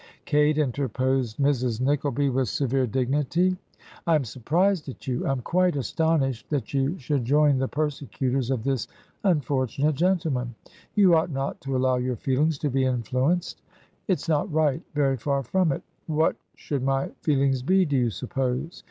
'Kate,' interposed Mrs. Nickleby, with severe dignity, 'I am surprised at you. ... I am quite astonished that you should joiu the persecutors of this imfortunate gentleman. ... You ought not to allow your feelings to be influenced; it's not right, very far from it. What should my feel ings be, do you suppose?